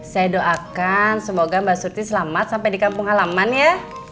saya doakan semoga mbak suti selamat sampai di kampung halaman ya